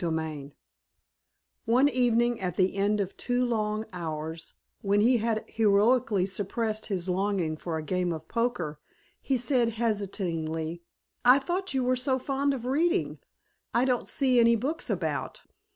XXVI One evening at the end of two long hours, when he had heroically suppressed his longing for a game of poker, he said hesitatingly, "I thought you were so fond of reading. I don't see any books about.